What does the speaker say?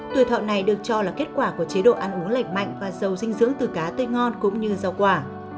tuổi thọ này được cho là kết quả của chế độ ăn uống lành mạnh và giàu dinh dưỡng từ cá tươi ngon cũng như rau quả